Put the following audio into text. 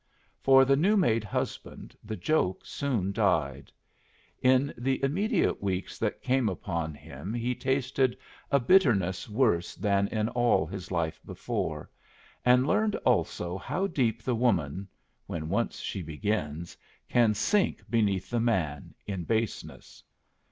For the new made husband the joke soon died. In the immediate weeks that came upon him he tasted a bitterness worse than in all his life before, and learned also how deep the woman, when once she begins, can sink beneath the man in baseness.